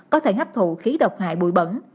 có thể hấp thụ khí độc hại bụi bẩn